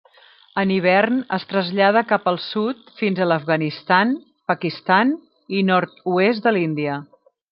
En hivern es trasllada cap al sud fins a l'Afganistan, Pakistan i nord-oest de l'Índia.